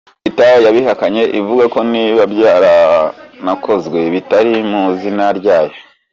Leta yabihakanye ivuga ko niba byaranakozwe bitari mu izina ryayo.